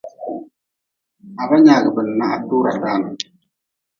Ha ba nyaagʼbe na ha tura dan.